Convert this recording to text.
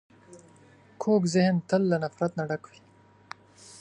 کوږ ذهن تل له نفرت نه ډک وي